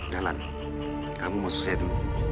dahlan kamu mau susah dulu